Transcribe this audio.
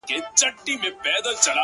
سپوږمۍ هغې ته په زاریو ویل _